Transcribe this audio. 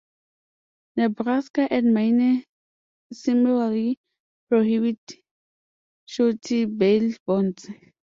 Nebraska and Maine similarly prohibit surety bail bonds.